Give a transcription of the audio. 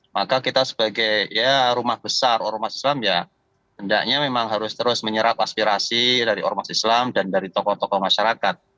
maka kita sebagai ya rumah besar ormas islam ya hendaknya memang harus terus menyerap aspirasi dari ormas islam dan dari tokoh tokoh masyarakat